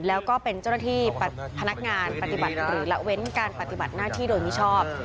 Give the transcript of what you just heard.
แล้วก็เป็นเจ้าหน้าที่พนักงานปฏิบัติหรือละเว้นการปฏิบัติหน้าที่โดยมิชอบ